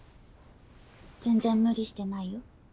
全然無理してないよ